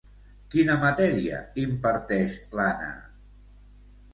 Quina matèria imparteix, l'Anna?